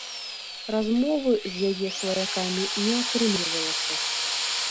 Размовы з яе сваякамі не атрымлівалася.